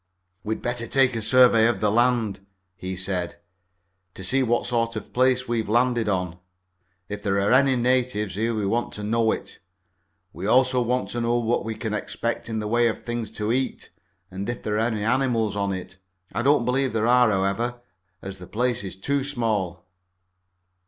"We'd better take a survey of the island," he said, "to see what sort of a place we've landed on. If there are any natives here we want to know it. We also want to know what we can expect in the way of things to eat and if there are animals on it. I don't believe there are, however, as the place is too small."